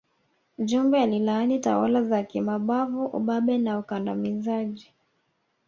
Jumbe alilaani tawala za kimabavu ubabe na ukandamizaji